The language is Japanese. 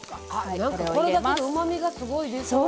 これだけで、うまみがすごい出そう。